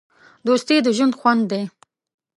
دوستي د ژوند خوند دی.